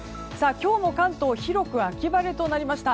今日も関東広く秋晴れとなりました。